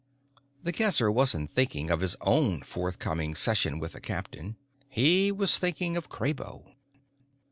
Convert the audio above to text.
The Guesser wasn't thinking of his own forthcoming session with the captain; he was thinking of Kraybo.